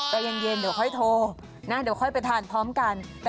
ใจเย็นเดี๋ยวค่อยโทรนะเดี๋ยวค่อยไปทานพร้อมกัน